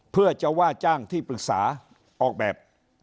เพื่อจะว่าจ้างที่ปรึกษาออกแบบ